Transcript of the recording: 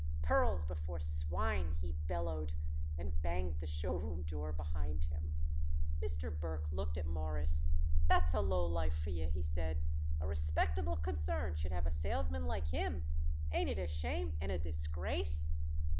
"Pearls before swine!" he bellowed, and banged the show room door behind him. Mr. Burke looked at Morris. "That's a lowlife for you," he said. "A respectable concern should have a salesman like him! Ain't it a shame and a disgrace?"